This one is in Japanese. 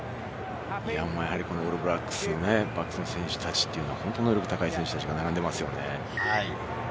オールブラックスの選手たちは本当に能力の高い選手たちが並んでいますよね。